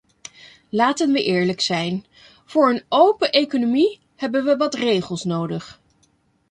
Laten we eerlijk zijn: voor een open economie hebben we wat regels nodig.